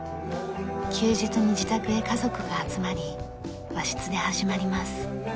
休日に自宅へ家族が集まり和室で始まります。